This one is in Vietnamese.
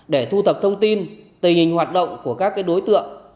để thu thập thông tin tình hình hoạt động của các đối tượng